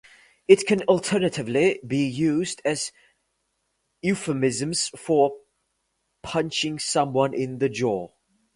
It can alternatively be used as a euphemism for punching someone in the jaw.